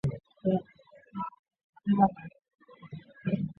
长臀鲃为鲤科长臀鲃属的鱼类。